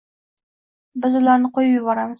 Biz ularni qoʻyib boramiz.